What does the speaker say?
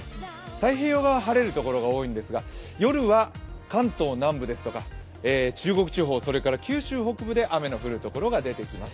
太平洋側は晴れる所が多いんですが夜は関東南部ですとか、中国地方、九州北部で雨の降る所が出てきます。